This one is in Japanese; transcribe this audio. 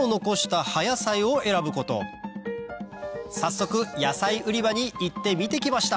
早速野菜売り場に行って見て来ました